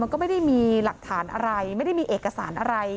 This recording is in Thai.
ก็ไม่ได้มีหลักฐานอะไรไม่ได้มีเอกสารอะไร